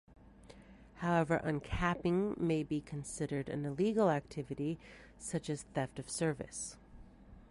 However, uncapping may be considered an illegal activity, such as theft of service.